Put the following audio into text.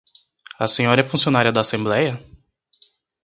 A senhora é funcionária da Assembleia?